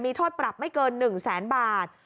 มีโทษปรับไม่เกิน๑๐๐๐๐๐บาท